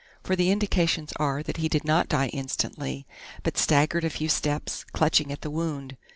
For the indications are that he did not die instantly, but staggered a few steps, clutching at the wound.